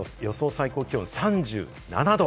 最高気温は３７度。